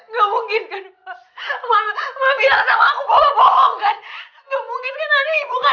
tapi ketika dia merah gak blandar